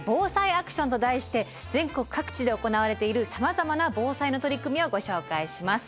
ＢＯＳＡＩアクション」と題して全国各地で行われている様々な防災の取り組みをご紹介します。